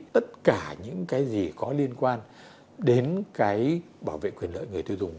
tất cả những cái gì có liên quan đến cái bảo vệ quyền lợi người tiêu dùng